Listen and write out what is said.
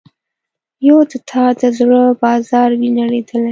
یو د تا د زړه بازار وي نړیدلی